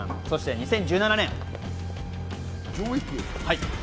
そして２０１７年。